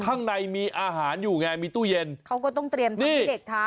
ข้างในมีอาหารอยู่ไงมีตู้เย็นเขาก็ต้องเตรียมทำให้เด็กทาน